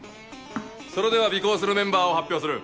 それでは尾行するメンバーを発表する。